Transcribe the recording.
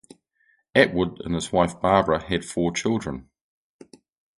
Atwood and his wife Barbara had four children.